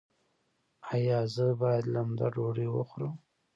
ایا زه باید لمده ډوډۍ وخورم؟